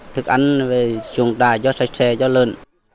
thức ăn chuồng đài cho sạch sẽ cho lớn